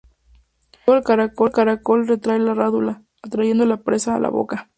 Luego el caracol retrae la rádula, atrayendo la presa a la boca.